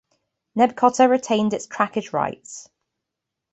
Nebkota retained its trackage rights.